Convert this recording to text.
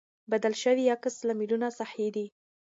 بدل شوي عکس العملونه صحي دي.